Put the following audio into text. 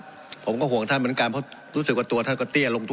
ผมจะขออนุญาตให้ท่านอาจารย์วิทยุซึ่งรู้เรื่องกฎหมายดีเป็นผู้ชี้แจงนะครับ